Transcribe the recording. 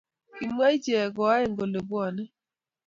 Kimwa iche koaeng kole bwane